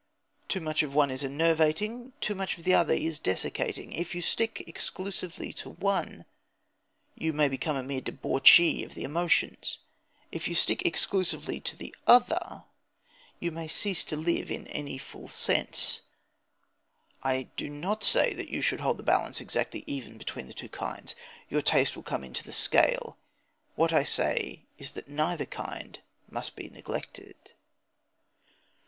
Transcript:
Too much of the one is enervating; too much of the other is desiccating. If you stick exclusively to the one you may become a mere debauchee of the emotions; if you stick exclusively to the other you may cease to live in any full sense. I do not say that you should hold the balance exactly even between the two kinds. Your taste will come into the scale. What I say is that neither kind must be neglected.